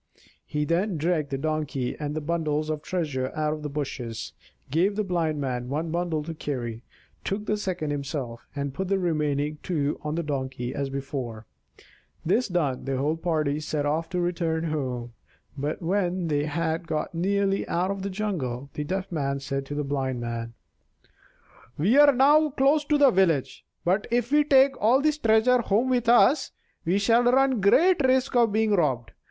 He then dragged the Donkey and the bundles of treasure out of the bushes, gave the Blind Man one bundle to carry, took the second himself, and put the remaining two on the Donkey, as before. This done, the whole party set off to return home. But when they had got nearly out of the jungle the Deaf Man said to the Blind Man: "We are now close to the village; but if we take all this treasure home with us, we shall run great risk of being robbed.